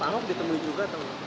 pak anies ditemui juga atau